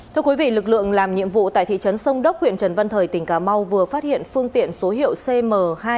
thưa quý vị lực lượng làm nhiệm vụ tại thị trấn sông đốc huyện trần văn thời tỉnh cà mau vừa phát hiện phương tiện số hiệu cm hai mươi hai nghìn một trăm ba mươi tám